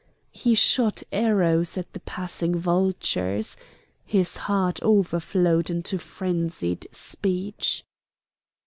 He shot arrows at the passing vultures. His heart overflowed into frenzied speech.